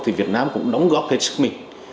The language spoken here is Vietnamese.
thì việt nam cũng đóng góp hết sức mình